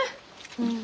うん。